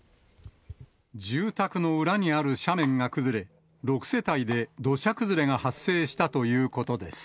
住宅の裏にある斜面が崩れ、６世帯で土砂崩れが発生したということです。